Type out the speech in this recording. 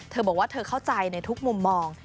เธอบอกว่าเธอเข้าใจในทุกมุมมอง